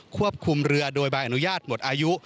ควบคุมเรือโดยใบอนุญาตหมดอายุ